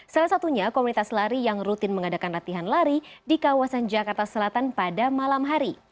salah satunya komunitas lari yang rutin mengadakan latihan lari di kawasan jakarta selatan pada malam hari